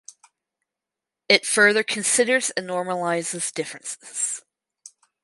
It further considers and normalizes differences.